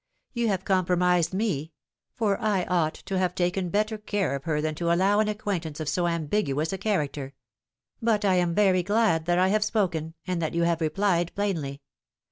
You have com promised me ; for I ought to have taken better care of her than to allow an acquaintance of so ambiguous a character. But I am very glad that I have spoken, and that you have replied plainly.